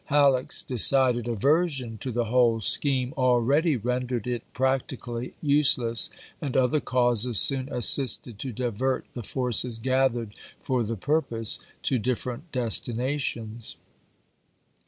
Halleck's decided aversion to the whole scheme already rendered it practically useless, and other causes soon assisted to divert the forces gathered for the purpose to different desti nations.